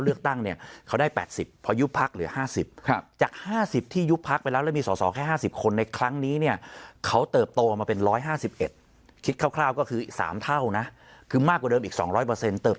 เลือกตั้งเนี่ยเขาได้แปดสิบพอยุบพลักษณ์เหลือห้าสิบ